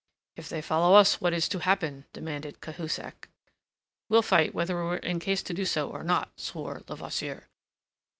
"If they follow us what is to happen?" demanded Cahusac. "We'll fight whether we're in case to do so or not," swore Levasseur.